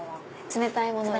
冷たいもので。